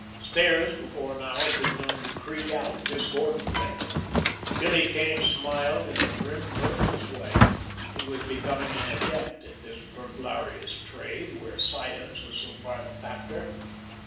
Stairs before now had been known to creak out discordantly! Billy Kane smiled in a grim, mirthless way. He was becoming an adept at this burglarious trade where silence was so prime a factor.